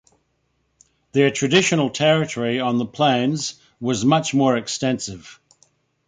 Their traditional territory on the Plains was much more extensive.